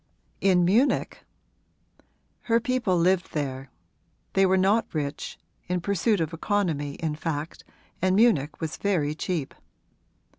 'In Munich?' 'Her people lived there; they were not rich in pursuit of economy in fact, and Munich was very cheap.